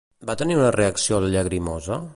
Va tenir una reacció llagrimosa?